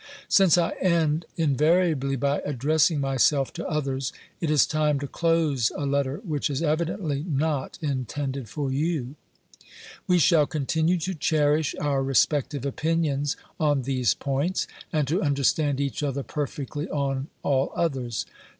Since I end invariably by addressing myself to others, it is time to close a letter which is evidently not intended for you. We shall continue to cherish our respective opinions on these points, and to understand each other perfectly on all others.